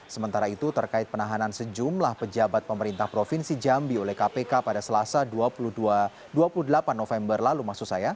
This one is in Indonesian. sementara itu terkait penahanan sejumlah pejabat pemerintah provinsi jambi oleh kpk pada selasa dua puluh delapan november lalu